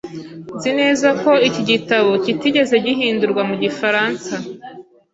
Nzi neza ko iki gitabo kitigeze gihindurwa mu gifaransa .